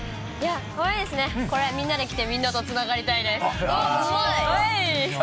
かわいいですね、これ、みんなで着てみんなとつながりたいです。